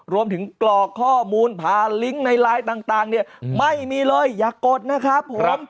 รวมถึงกรอกข้อมูลพาลิงก์ในไลน์ต่างไม่มีเลยอย่ากดนะครับผม